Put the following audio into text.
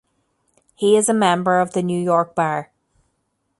He is a member of the New York Bar.